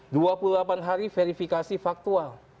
dua puluh delapan hari verifikasi faktual